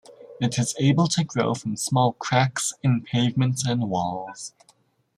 It is able to grow from small cracks in pavements and walls.